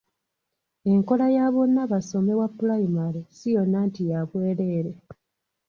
Enkola ya bonnabasome wa pulayimale si yonna nti ya bwerere.